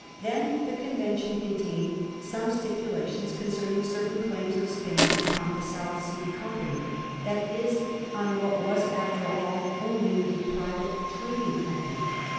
Then the convention contained some stipula tions concerning certain claims of Spain upon the South Sea Company; that is, on what was, after all, only a pri vate trading company.